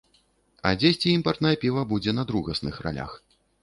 А дзесьці імпартнае піва будзе на другасных ролях.